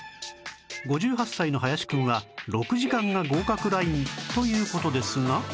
５８歳の林くんは６時間が合格ラインという事ですが